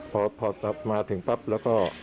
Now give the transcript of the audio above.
พอมาถึงปั๊บแล้วก็